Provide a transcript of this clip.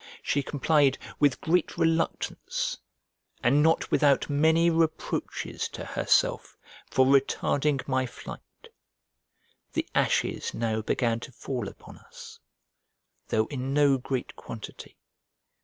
She complied with great reluctance, and not without many reproaches to herself for retarding my flight. The ashes now began to fall upon us, though in no great quantity.